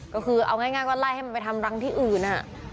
ก็คือเอาง่ายก็ไล่ให้มันไปทำรังที่อื่น